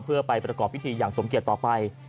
เพื่อไปประกอบพิธีอย่างสมเกียจต่อไป